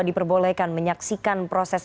diperbolehkan menyaksikan proses